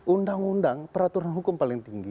undang undang peraturan hukum paling tinggi